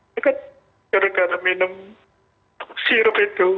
dekat gara gara minum sirup itu